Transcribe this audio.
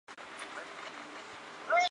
从此她走上了职业网球运动员的道路。